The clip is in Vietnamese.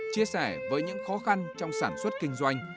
chia sẻ với những khó khăn trong sản xuất kinh doanh